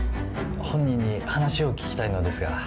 本人に話を聞きたいのですが。